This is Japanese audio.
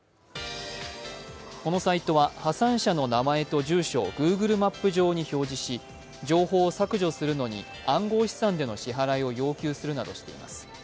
このサイトは破産者の名前と住所をＧｏｏｇｌｅマップ上に表示し、暗号資産での支払いを要求するなどしています。